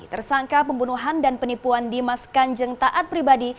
tersangka pembunuhan dan penipuan dimas kanjeng taat pribadi